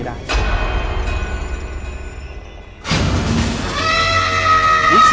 สิ่งเป็นผู้หญิงเนี่ย